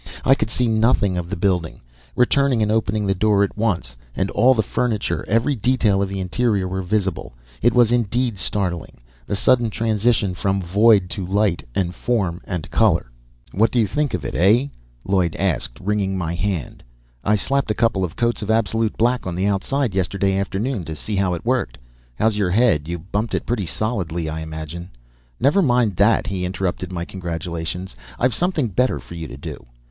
I could see nothing of the building. Returning and opening the door, at once all the furniture and every detail of the interior were visible. It was indeed startling, the sudden transition from void to light and form and color. "What do you think of it, eh?" Lloyd asked, wringing my hand. "I slapped a couple of coats of absolute black on the outside yesterday afternoon to see how it worked. How's your head? you bumped it pretty solidly, I imagine." "Never mind that," he interrupted my congratulations. "I've something better for you to do."